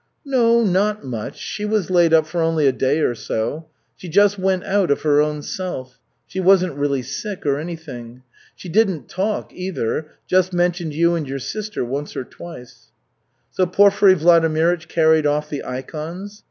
"No, not much, she was laid up for only a day or so. She just went out, of her own self. She wasn't really sick or anything. She didn't talk either, just mentioned you and your sister once or twice." "So Porfiry Vladimirych carried off the ikons?"